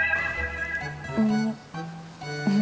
enggak umi bukan untuk keselio